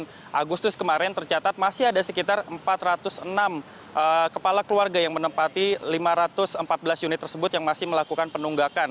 dan agustus kemarin tercatat masih ada sekitar empat ratus enam kepala keluarga yang menempati lima ratus empat belas unit tersebut yang masih melakukan penunggakan